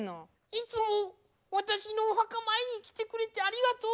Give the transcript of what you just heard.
いつも私のお墓参りに来てくれてありがとう。